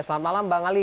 selamat malam bang ali